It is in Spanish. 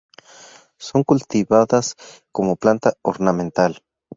Son cultivadas como planta ornamental.